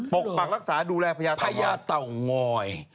ปกปรักรักษาดูแลพระยาต่อง้อย